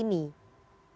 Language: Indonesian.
ini akan mengganggu